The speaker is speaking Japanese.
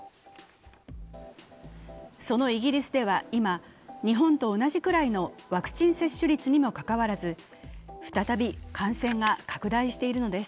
そのイギリスでは今、日本と同じくらいのワクチン接種率にもかかわらず再び感染が拡大しているのです。